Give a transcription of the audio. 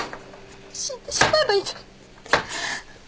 死んでしまえばいいのに